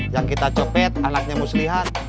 yang kita copet anaknya muslihat